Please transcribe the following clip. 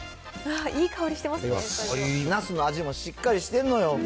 ナスの味もしっかりしてんのよ。